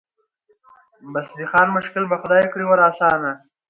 بس د خان مشکل به خدای کړي ور آسانه